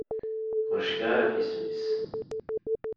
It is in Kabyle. Ur cfiɣ ara ɣef yisem-is.